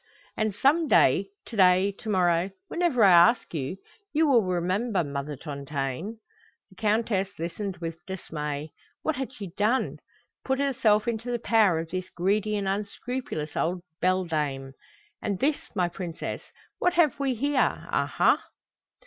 And some day, to day, to morrow, whenever I ask you, you will remember Mother Tontaine." The Countess listened with dismay. What had she done? Put herself into the power of this greedy and unscrupulous old beldame? "And this, my princess? What have we here, aha?"